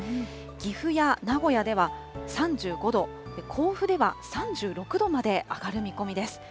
岐阜や名古屋では３５度、甲府では３６度まで上がる見込みです。